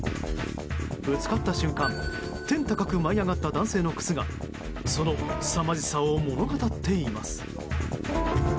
ぶつかった瞬間天高く舞い上がった男性の靴がそのすさまじさを物語っています。